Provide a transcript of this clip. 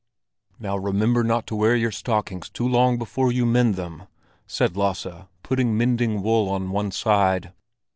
"Now remember not to wear your stockings too long before you mend them!" said Lasse, putting mending wool on one side.